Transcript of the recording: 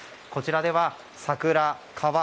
こちらでは、桜や川